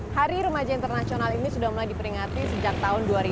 hari remaja internasional ini sudah mulai diperingati sejak tahun dua ribu